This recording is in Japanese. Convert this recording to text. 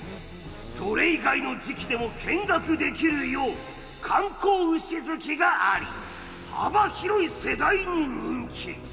それ以外の時期でも見学できるよう観光牛突きがあり幅広い世代に人気。